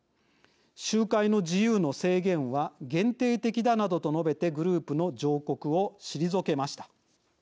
集会の自由の制限は限定的だなどと述べてグループの上告を退けました。